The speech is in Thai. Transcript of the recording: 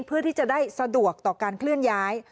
เพื่อที่จะได้สะดวกต่อการเคลื่อนย้าย